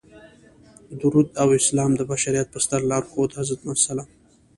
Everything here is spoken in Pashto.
درود او سلام د بشریت په ستر لارښود حضرت محمد صلی الله علیه وسلم.